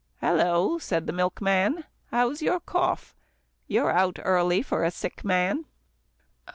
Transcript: "Hello," said the milkman, "how's your cough? You're out early for a sick man."